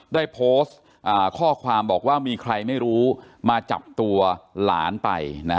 ได้โพสต์ข้อความบอกว่ามีใครไม่รู้มาจับตัวหลานไป